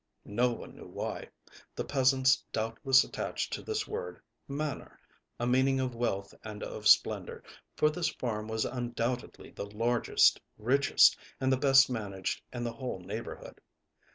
â No one knew why. The peasants doubtless attached to this word, âManor,â a meaning of wealth and of splendor, for this farm was undoubtedly the largest, richest and the best managed in the whole neighborhood.